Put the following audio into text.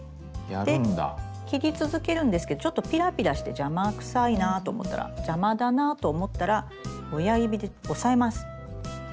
で切り続けるんですけどちょっとピラピラして邪魔くさいなと思ったら邪魔だなと思ったら親指で押さえます。